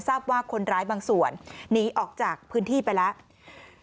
ทราบว่าคนร้ายบางส่วนหนีออกจากพื้นที่ไปแล้ว